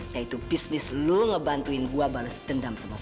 jangan pake dengkul